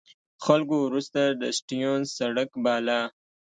خلکو وروسته د سټیونز سړک باله.